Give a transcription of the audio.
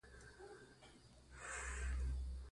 افغانستان د زغال په برخه کې نړیوال شهرت لري.